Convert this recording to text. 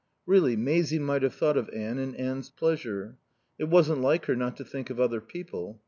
Really, Maisie might have thought of Anne and Anne's pleasure. It wasn't like her not to think of other people.